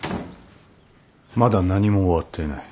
まだ何も終わっていない。